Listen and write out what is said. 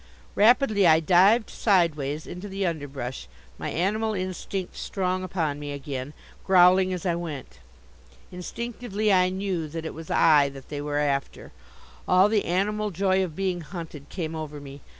Rapidly I dived sideways into the underbrush, my animal instinct strong upon me again, growling as I went. Instinctively I knew that it was I that they were after. All the animal joy of being hunted came over me.